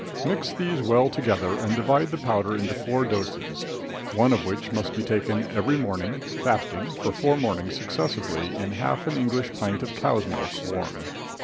Mix these well together, and divide the powder into four doses, one of which must be taken every morning, fasting, for four mornings successively in half an English pint of cow's milk, warm.